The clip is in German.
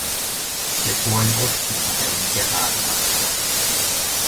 Der Chor im Osten hat einen geraden Abschluss.